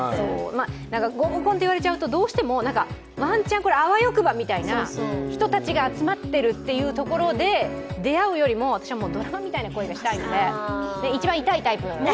合コンと言われちゃうと、どうしてもワンチャン、あわよくばみたいな人たちが集まってるというところで出会うよりも、私はドラマみたいな恋がしたいので一番イタいタイプ。